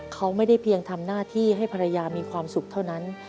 เขาไม่ได้เพียงทำหน้าที่ให้ภรรยามีความสุขเท่านั้น